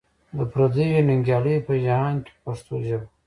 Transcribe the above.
د پردیو ننګیالیو په جهان کې په پښتو ژبه.